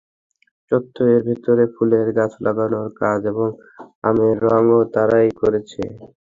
চত্বরের ভেতরে ফুলের গাছ লাগানোর কাজ এবং আমের রংও তারাই করেছে।